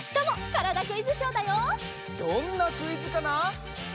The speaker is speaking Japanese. どんなクイズかな？